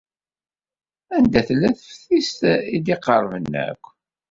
Anda tella teftist ay d-iqerben akk?